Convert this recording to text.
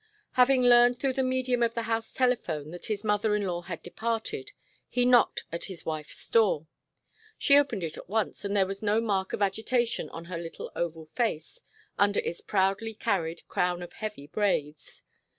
Having learned through the medium of the house telephone that his mother in law had departed, he knocked at his wife's door. She opened it at once and there was no mark of agitation on her little oval face under its proudly carried crown of heavy braids.